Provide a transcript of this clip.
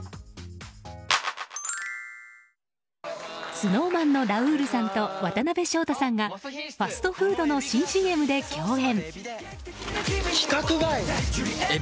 ＳｎｏｗＭａｎのラウールさんと渡辺翔太さんがファストフードの新ＣＭで共演。